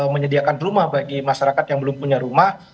menyediakan rumah bagi masyarakat yang belum punya rumah